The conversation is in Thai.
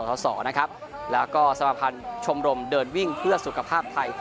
หรือว่าส่อหรือส่อนะครับแล้วก็สรรค์พันธ์ชมรมเดินวิ่งเพื่อสุขภาพไทย